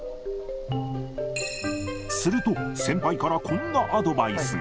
すると、先輩からこんなアドバイスが。